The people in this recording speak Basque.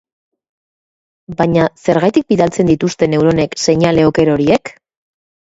Baina zergatik bidaltzen dituzte neuronek seinale oker horiek?